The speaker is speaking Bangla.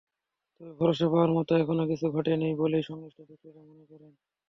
তবে ভরসা পাওয়ার মতো এখনো কিছু ঘটেনি বলেই সংশ্লিষ্ট ব্যক্তিরা মনে করেন।